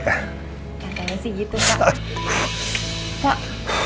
katanya sih gitu pak